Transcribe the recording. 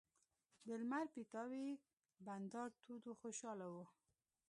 د لمر د پیتاوي بنډار تود و خوشاله وو.